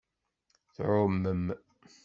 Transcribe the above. Tɛumem.